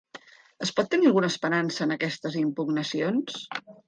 Es pot tenir alguna esperança en aquestes impugnacions?